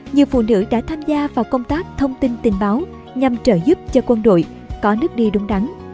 nhiều phụ nữ đã tham gia vào công tác thông tin tình báo nhằm trợ giúp cho quân đội có nước đi đúng đắn